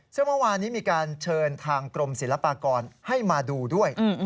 ซึ่งเมื่อวานนี้มีการเชิญทางกรมศิลปากรให้มาดูด้วย